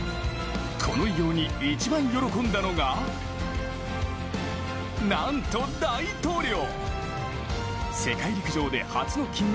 この偉業に一番喜んだのがなんと大統領。